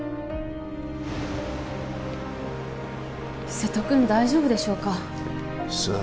瀬戸君大丈夫でしょうかさあ